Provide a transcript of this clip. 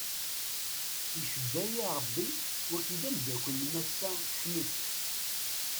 Icebbayi rebbi wagi d amdakel n massa Schmitt.